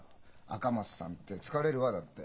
「赤松さんて疲れるわ」だって。